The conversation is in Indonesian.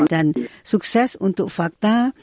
dan sukses untuk fakta